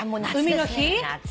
海の日？